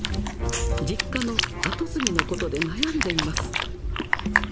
実家の後継ぎのことで悩んでいます。